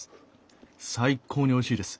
最高においしいです。